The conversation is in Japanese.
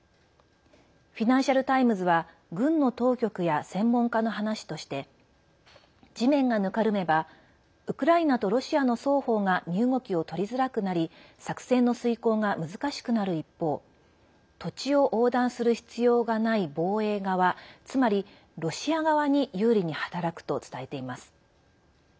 フィナンシャル・タイムズは軍の当局や専門家の話として地面がぬかるめばウクライナとロシアの双方が身動きを取りづらくなり作戦の遂行が難しくなる一方土地を横断する必要がない防衛側つまり、ロシア側に有利に働くと伝えています。